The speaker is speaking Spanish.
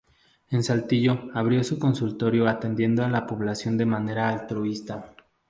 En Saltillo abrió su consultorio atendiendo a la población de manera altruista.